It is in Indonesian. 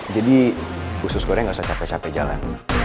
jadi usus goreng gak usah capek capek jalan